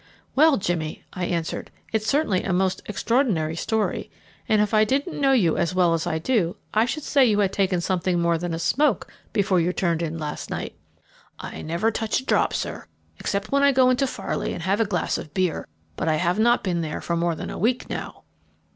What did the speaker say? "Well, Jimmy," I answered, "it certainly is a most extraordinary story, and if I didn't know you as well as I do, I should say you had taken something more than a smoke before you turned in last night." "I never touch a drop, sir, except when I go into Farley and have a glass of beer, but I have not been there for more than a week now."